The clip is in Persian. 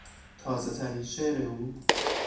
تازهترین شعر او